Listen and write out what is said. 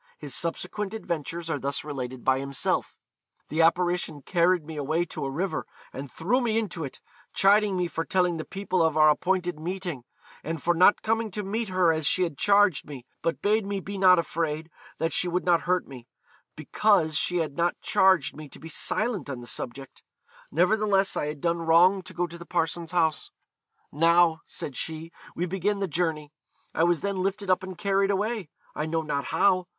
His subsequent adventures are thus related by himself: 'The apparition carried me away to a river, and threw me into it, chiding me for telling the people of our appointed meeting and for not coming to meet her as she had charged me; but bade me be not afraid, that she would not hurt me, because she had not charged me to be silent on the subject; nevertheless I had done wrong to go to the parson's house. Now, said she, we begin the journey. I was then lifted up and carried away I know not how.